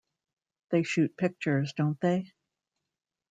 They Shoot Pictures, Don't They?